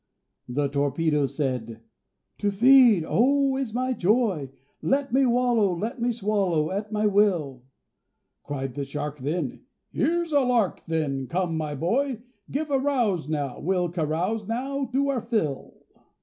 The Torpedo said, "To feed, oh! is my joy; Let me wallow, let me swallow at my will!" Cried the Shark, then, "Here's a lark, then! come, my boy, Give a rouse, now! we'll carouse now to our fill."